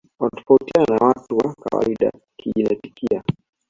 Wanatofautiana na watu wa kawaida kijenetikia